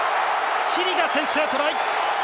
チリが先制トライ！